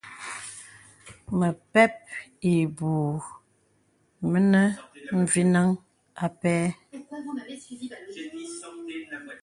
Məpɛ̂p ìbūū mìnə̀ mvinəŋ ā pɛ̂.